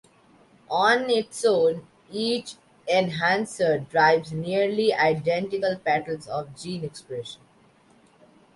On its own, each enhancer drives nearly identical patterns of gene expression.